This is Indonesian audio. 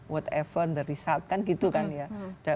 whatever the result kan gitu kan ya